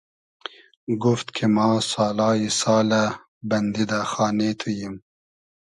گوفت کی ما سالای سالۂ بئندی دۂ خانې تو ییم